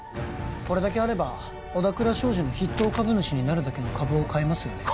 これだけあれば小田倉商事の筆頭株主になるだけの株を買えますよね？